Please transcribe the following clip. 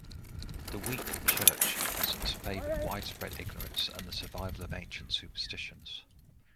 The weak church presence favored widespread ignorance and the survival of ancient superstitions.